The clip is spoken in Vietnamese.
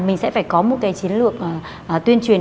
mình sẽ phải có một cái chiến lược tuyên truyền